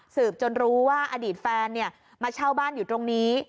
จนรู้ว่าอดีตแฟนมาเช่าบ้านอยู่ตรงนี้